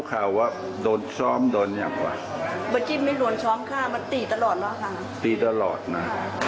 เราเตรียมตัวเราต่อตรงนี้กันนะ